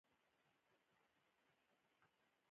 که غواړی چه راتلونکې مو روښانه شي نو زده ګړې وکړئ